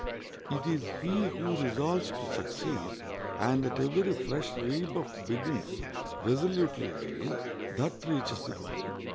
It is he who resolves to succeed, and at every fresh rebuff begins resolutely again, that reaches the goal.